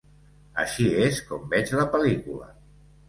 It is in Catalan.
Així és com veig la pel·lícula.